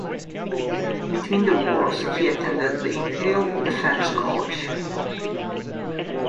Between the wars he attended the Imperial Defence College.